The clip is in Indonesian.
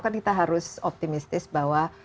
kan kita harus optimistis bahwa